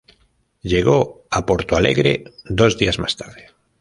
Llegó a Porto Alegre dos días más tarde.